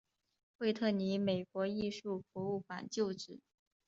惠特尼美国艺术博物馆旧址。